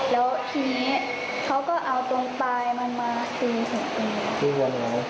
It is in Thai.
แล้วทีนี้เขาก็เอาตรงปลายมาสูงสูงปิน